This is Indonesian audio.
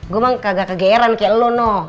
gua mah kagak kegeeran kaya lu noh